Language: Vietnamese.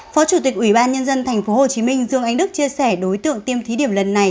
phó chủ tịch ủy ban nhân dân tp hcm dương anh đức chia sẻ đối tượng tiêm thí điểm lần này